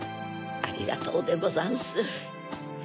ありがとうでござんす。